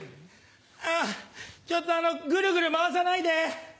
あっちょっとグルグル回さないで！